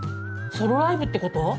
ソロライブって事？